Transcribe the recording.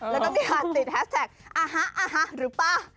แล้วก็มีค่าติดแฮชแท็กอ่าฮะอ่าฮะรู้ป่ะ